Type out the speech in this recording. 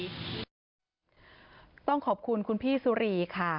ต้องขอบคุณคุณพี่สุรีค่ะ